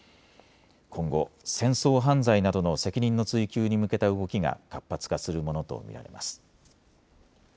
今後、戦争犯罪などの責任の追及に向けた動きが活発化するものと見られます。